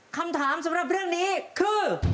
คำถามสำหรับเรื่องนี้คือ